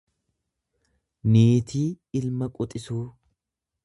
niitii ilma quxisuu.